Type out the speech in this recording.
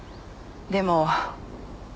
でも。